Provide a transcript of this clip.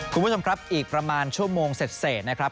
คุณผู้ชมครับอีกประมาณชั่วโมงเสร็จนะครับ